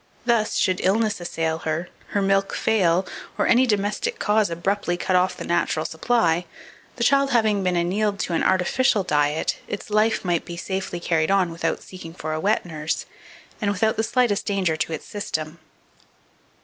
Thus, should illness assail her, her milk fail, or any domestic cause abruptly cut off the natural supply, the child having been annealed to an artificial diet, its life might be safely carried on without seeking for a wet nurse, and without the slightest danger to its system.